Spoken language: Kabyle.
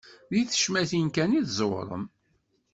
Di tecmatin kan i tẓewrem.